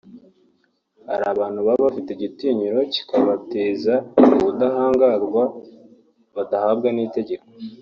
Hari abantu baba bafite igitinyiro kikabateza ubudahangarwa badahabwa n’itegeko